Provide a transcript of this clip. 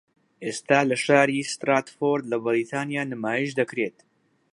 ئێستا لە شاری ستراتفۆرد لە بەریتانیا نمایشدەکرێت